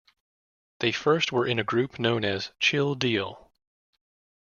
They first were in a group known as Chill Deal.